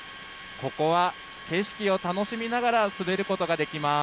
ここは景色を楽しみながら滑ることができます。